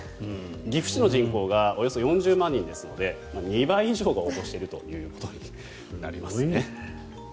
岐阜市の人口がおよそ４０万人ですので２倍以上が応募していることになります。